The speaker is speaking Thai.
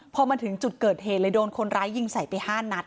พอมาถึงจุดเกิดเหตุเลยโดนคนร้ายยิงใส่ไป๕นัด